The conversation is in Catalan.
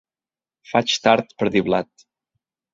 Faig tard per dir blat.